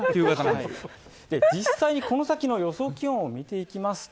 実際にこの先の予想気温を見ていきます。